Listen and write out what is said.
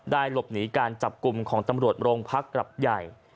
หลบหนีการจับกลุ่มของตำรวจโรงพักกลับใหญ่